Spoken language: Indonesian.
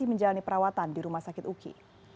menjalani perawatan di rumah sakit uki